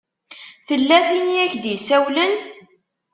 Tella tin i ak-d-isawlen?